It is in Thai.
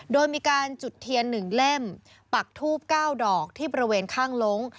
โดยมีการจุดเทียนหนึ่งเล่มปักทูปเก้าดอกที่บริเวณข้างลง